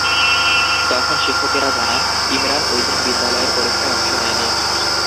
তখন শিক্ষকেরা জানান, ইমরান ওই দিন বিদ্যালয়ের পরীক্ষায় অংশ নেয়নি।